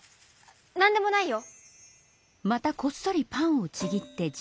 なんでもないよ」。